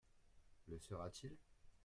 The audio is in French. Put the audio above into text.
Le sera-t-il ?…